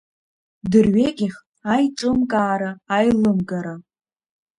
Дырҩегьых аиҿымкаара, аилымгара.